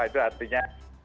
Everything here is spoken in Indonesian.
itu artinya satu tanggung jawab